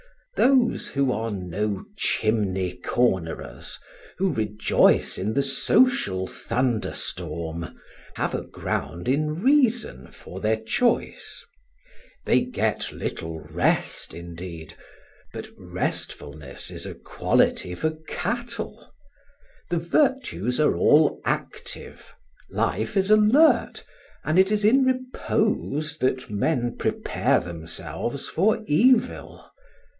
Those who are no chimney cornerers, who rejoice in the social thunderstorm, have a ground in reason for their choice. They get little rest indeed; but restfulness is a quality for cattle; the virtues are all active, life is alert, and it is in repose that men prepare themselves for evil.